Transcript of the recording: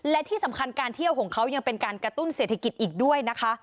และที่สำคัญการเที่ยวของเขายังเป็นการกระตุ้นเศรษฐกิจอีกด้วยนะคะ